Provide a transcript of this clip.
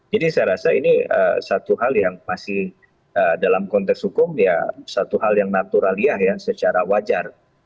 jadi saya rasa ini satu hal yang masih dalam konteks hukum ya satu hal yang natural ya secara wajar